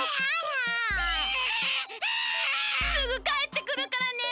すぐかえってくるからね。